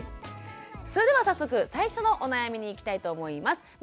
それでは早速最初のお悩みにいきたいと思います。